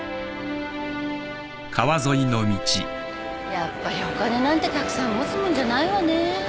やっぱりお金なんてたくさん持つもんじゃないわね。